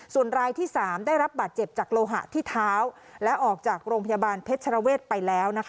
ส่วนรายที่๓ได้รับบาดเจ็บจากโลหะที่เท้าและออกจากโรงพยาบาลเพชรเวศไปแล้ว